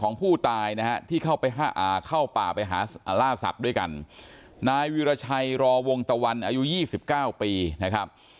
นายวิราชัยรอวงตะวันอายุยี่สิบเก้าปีนะครับ